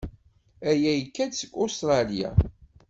Aya yekka-d seg Ustṛalya.